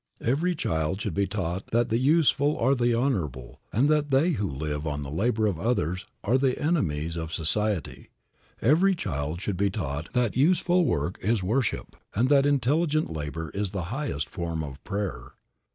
Every child should be taught that the useful are the honorable, and that they who live on the labor of others are the enemies of society. Every child should be taught that useful work is worship and that intelligent labor is the highest form of prayer.